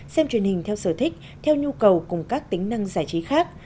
xem truyền hình theo sở thích theo nhu cầu cùng các tính năng giải trí khác